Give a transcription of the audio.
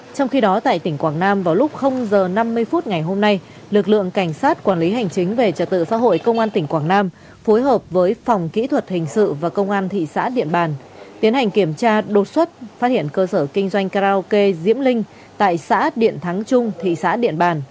trong khi đó tại tỉnh quảng nam vào lúc h năm mươi phút ngày hôm nay lực lượng cảnh sát quản lý hành chính về trật tự xã hội công an tỉnh quảng nam phối hợp với phòng kỹ thuật hình sự và công an thị xã điện bàn tiến hành kiểm tra đột xuất phát hiện cơ sở kinh doanh karaoke diễm linh tại xã điện thắng trung thị xã điện bàn